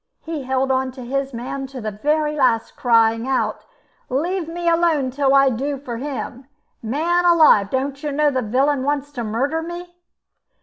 He held on to his man to the very last, crying out: "Leave me alone till I do for him. Man alive, don't you know the villain wants to murder me?"